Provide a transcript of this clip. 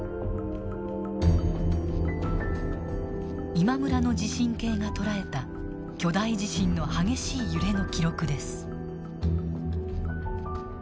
今村の地震計が捉えた巨大地震の激しい揺れの記録です。